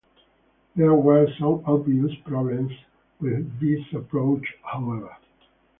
There were some obvious problems with this approach, however.